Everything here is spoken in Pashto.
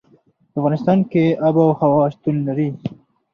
په افغانستان کې آب وهوا شتون لري.